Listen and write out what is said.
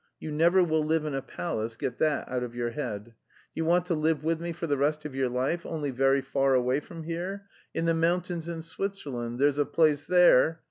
You never will live in a palace, get that out of your head. Do you want to live with me for the rest of your life, only very far away from here? In the mountains in Switzerland, there's a place there....